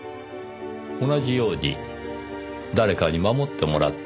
同じように誰かに守ってもらった事が。